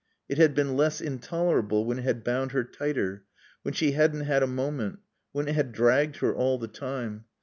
It had been less intolerable when it had bound her tighter; when she hadn't had a moment; when it had dragged her all the time.